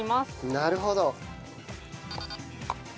なるほど。